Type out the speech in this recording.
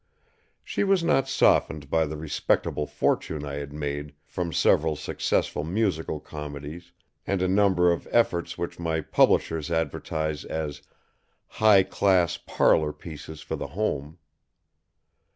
She was not softened by the respectable fortune I had made from several successful musical comedies and a number of efforts which my publishers advertise as "high class parlor pieces for the home."